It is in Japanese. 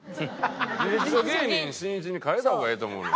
履歴書芸人しんいちに変えた方がええと思うんよ。